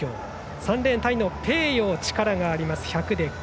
３レーン、タイのペーヨー力があります。